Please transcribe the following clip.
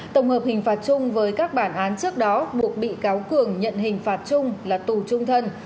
tổng hợp hình phạt chung với các bản án trước đó buộc bị cáo cường nhận hình phạt chung là tù trung thân